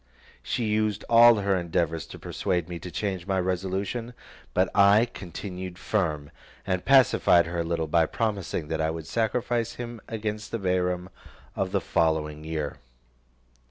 She used all her endeavours to persuade me to change my resolution; but I continued firm, and pacified her a little, by promising that I would sacrifice him against the Bairam of the following year.